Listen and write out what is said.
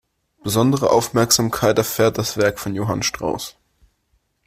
Besondere Aufmerksamkeit erfährt das Werk von Johann Strauss.